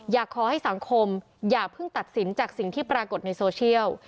อยากให้สังคมอย่าเพิ่งตัดสินจากสิ่งที่ปรากฏในโซเชียล